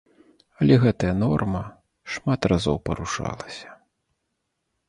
Але гэтая норма шмат разоў парушалася.